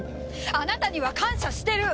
あなたには感謝してる。